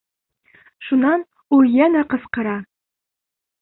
Шунан ул йәнә ҡысҡыра: